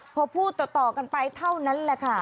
พอพูดต่อกันไปเท่านั้นแหละค่ะ